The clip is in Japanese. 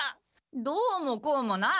どうもこうもない。